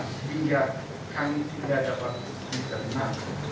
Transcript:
sehingga kami tidak dapat diterima